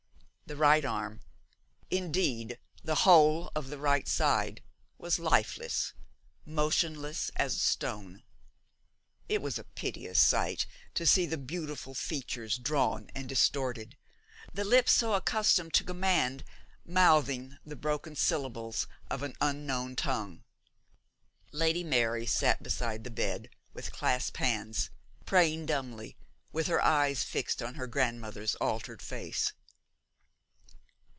The right arm, indeed the whole of the right side, was lifeless, motionless as a stone. It was a piteous sight to see the beautiful features drawn and distorted, the lips so accustomed to command mouthing the broken syllables of an unknown tongue. Lady Mary sat beside the bed with clasped hands, praying dumbly, with her eyes fixed on her grandmother's altered face.